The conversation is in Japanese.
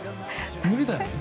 無理だよね。